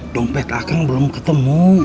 dompet akang belum ketemu